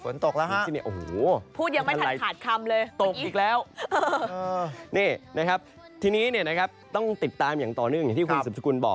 นี่นะครับทีนี้เนี่ยนะครับต้องติดตามอย่างต่อเนื่องอย่างที่คุณศึกุลบอก